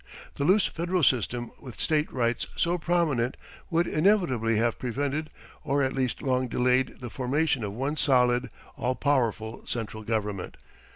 The loose Federal system with State rights so prominent would inevitably have prevented, or at least long delayed, the formation of one solid, all powerful, central government.